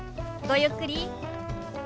ごゆっくり。